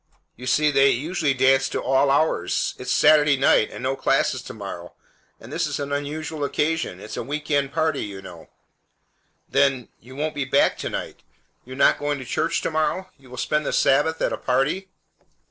"You see, they usually dance to all hours. It's Saturday night, and no classes to morrow, and this is an unusual occasion. It's a week end party, you know " "Then you won't be back to night! You are not going to church to morrow! You will spend the Sabbath at a party!"